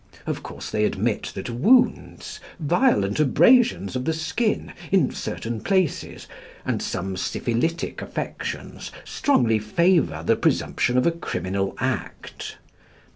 Of course they admit that wounds, violent abrasions of the skin, in certain places, and some syphilitic affections strongly favour the presumption of a criminal act.